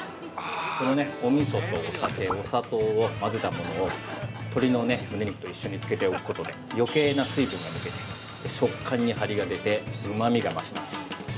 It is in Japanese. このおみそとお酒、砂糖を混ぜたものを鶏のむね肉と一緒に漬けておくことで余計な水分が抜けて食感に張りが出てうまみが増します。